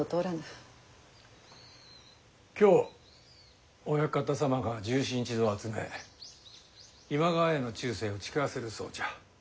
今日お屋形様が重臣一同を集め今川への忠誠を誓わせるそうじゃ。